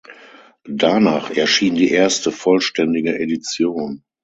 Danach erschien die erste vollständige Edition.